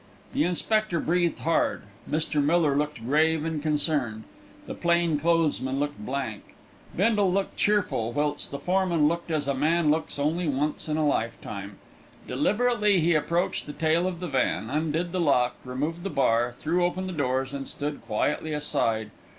The inspector breathed hard, Mr. Miller looked grave and concerned, the plain clothes men looked blank, Bindle looked cheerful, whilst the foreman looked as a man looks only once in a lifetime. Deliberately he approached the tail of the van, undid the lock, removed the bar, threw open the doors, and stood quietly aside.